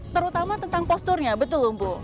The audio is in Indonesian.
terutama tentang posturnya betul lumpu